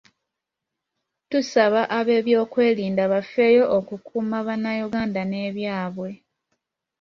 Tusaba abeebyokwerinda bafeeyo okukuuma Bannayuganda ne byabwe .